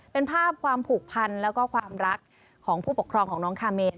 เป็นภาพความผูกพันแล้วก็ความรักของผู้ปกครองของน้องคาเมน